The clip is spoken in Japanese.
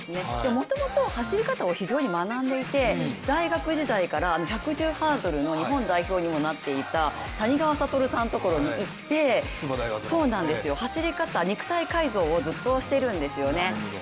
もともと走り方を非常に学んでいて大学時代から１１０ハードルの日本代表にもなっていた谷川聡さんのところに行って走り方、肉体改造をずっとしてるんですよね。